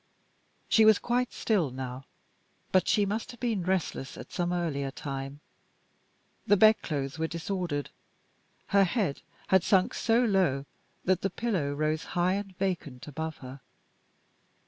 She was quite still now; but she must have been restless at some earlier time. The bedclothes were disordered, her head had sunk so low that the pillow rose high and vacant above her.